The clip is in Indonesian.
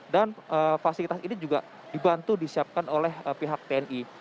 dan fasilitas ini juga dibantu disiapkan oleh pihak tni